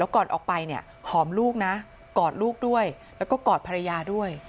ก่อนออกไปเนี่ยหอมลูกนะกอดลูกด้วยแล้วก็กอดภรรยาด้วย